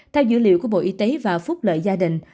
theo dữ liệu của bộ y tế và phúc lợi gia đình